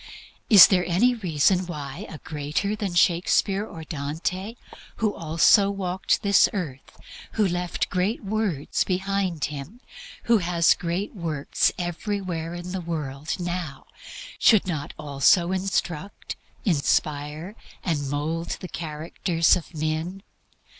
Is there any reason why a greater than Shakspere or Dante, who also walked this earth, who left great words behind Him, who has greater works everywhere in the world now, should not also instruct, inspire and mould the characters of men?